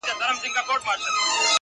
د كندو تر شا په غار كي نهامېږه؛